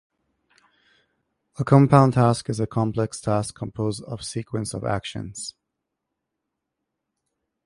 A compound task is a complex task composed of a sequence of actions.